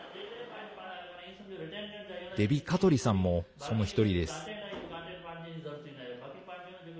デヴィ・カトリさんもその１人です。